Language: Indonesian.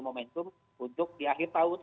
momentum untuk di akhir tahun